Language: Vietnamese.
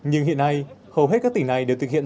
hôm nay hầu hết các tỉnh này đều thực hiện